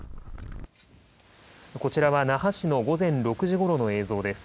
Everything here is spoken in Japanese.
こちらは那覇市の午前６時ごろの映像です。